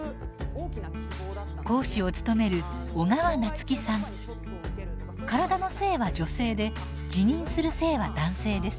講師を務める体の性は女性で自認する性は男性です。